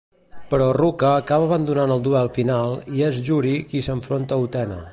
Però Ruka acaba abandonant el duel final i és Juri qui s'enfronta a Utena.